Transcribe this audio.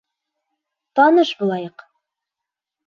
Таныш булайыҡ.